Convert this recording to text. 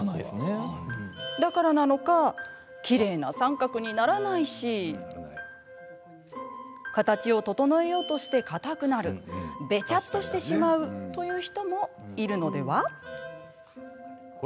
だからなのかきれいな三角にならないし形を整えようとして、かたくなるベチャッとしてしまうという人もいるのでは？